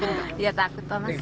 iya takut pak mas